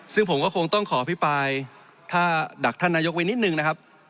ซึ่งผมก็คงต้องขออภิปรายถ้าดักท่านนายกไว้นิดนึงนะครับ